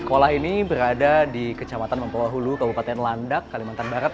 sekolah ini berada di kecamatan mempelahulu kabupaten landak kalimantan barat